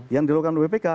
yang dilakukan wpk